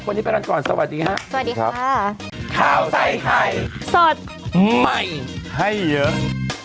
วันนี้ไปแล้วก่อนสวัสดีครับสวัสดีครับ